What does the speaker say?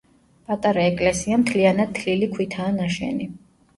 პატარა ეკლესია მთლიანად თლილი ქვითაა ნაშენი.